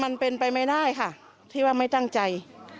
มันเป็นไปไม่ได้ค่ะที่ว่าไม่ตั้งใจ